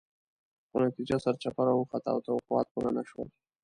خو نتیجه سرچپه راوخته او توقعات پوره نه شول.